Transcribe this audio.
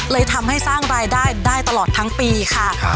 ทำให้สร้างรายได้ได้ตลอดทั้งปีค่ะ